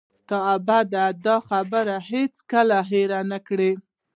ته باید دا خبره هیڅکله هیره نه کړې